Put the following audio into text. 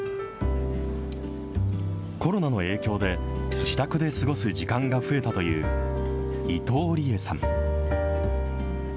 コロナの影響で、自宅で過ごす時間が増えたという伊藤理恵さん。